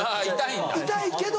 痛いけど。